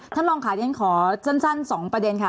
ท่านรองขาดยังขอสั้น๒ประเด็นค่ะ